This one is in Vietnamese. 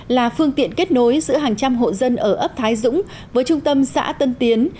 là phương tiện kết nối giữa hàng trăm hộ dân ở ấp thái dũng với trung tâm xã tân tiến